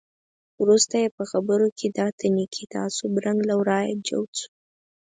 وروسته یې په خبرو کې د اتنیکي تعصب رنګ له ورایه جوت شو.